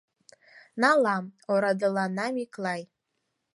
Налам! — орадылана Миклай.